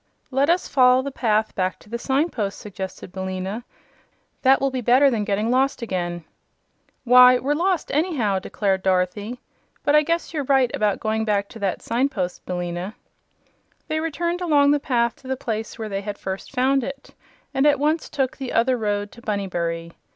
"Let us follow the path back to the signpost," suggested Billina. "That will be better than getting lost again." "Why, we're lost anyhow," declared Dorothy; "but I guess you're right about going back to that signpost, Billina." They returned along the path to the place where they had first found it, and at once took "the other road" to Bunnybury.